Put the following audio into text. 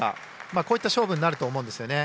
こういった勝負になると思うんですよね。